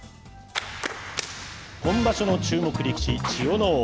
今場所の注目力士、千代ノ皇。